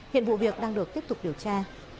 hiện vụ việc đang được tiếp tục điều tra